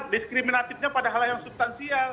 diskriminatifnya padahal yang substansial